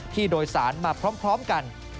ผู้โดยสารมาพร้อมกัน